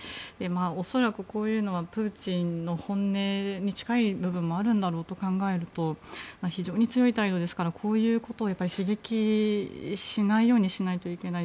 恐らくこういうのはプーチンの本音に近い部分もあるんだろうと考えると非常に強い態度ですからこういうことを刺激しないようにしないといけない。